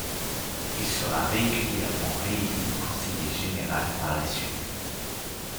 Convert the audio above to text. Il sera régulièrement réélu conseiller général par la suite.